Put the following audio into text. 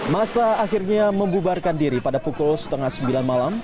masa akhirnya membubarkan diri pada pukul setengah sembilan malam